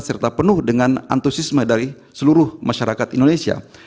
serta penuh dengan antusiasme dari seluruh masyarakat indonesia